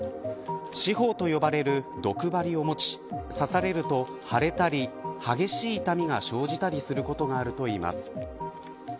刺胞と呼ばれる毒針を持ち刺されると腫れたり激しい痛みが生じたりすることがあるといいます。